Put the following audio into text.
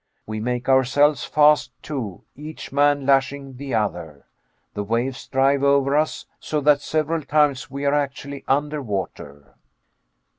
We make ourselves fast, too, each man lashing the other. The waves drive over us, so that several times we are actually under water.